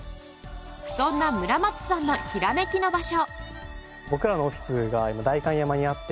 そんな村松さんのヒラメキの場所。